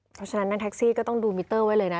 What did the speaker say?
เพราะฉะนั้นนั่งแท็กซี่ก็ต้องดูมิเตอร์ไว้เลยนะ